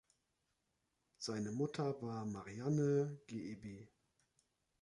Seine Mutter war Marianne, geb.